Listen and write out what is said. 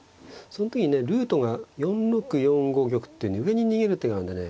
その時にねルートが４六４五玉って上に逃げる手があるんでね